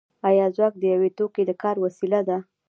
آیا ځواک د یو توکي د کار وسیله ده